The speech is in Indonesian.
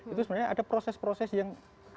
itu sebenarnya ada proses proses yang